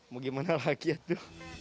mau gimana lagi itu